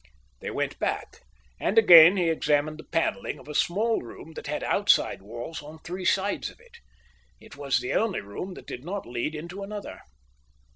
They went back, and again he examined the panelling of a small room that had outside walls on three sides of it. It was the only room that did not lead into another.